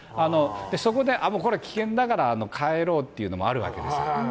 そこで、これ危険だから帰ろうっていうのもあるわけです。